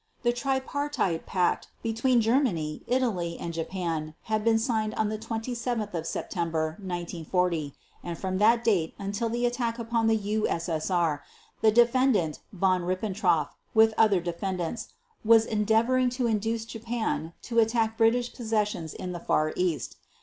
The Tripartite Pact between Germany, Italy, and Japan, had been signed on 27 September 1940, and from that date until the attack upon the U.S.S.R. the Defendant Von Ribbentrop, with other defendants, was endeavoring to induce Japan to attack British possessions in the Far East.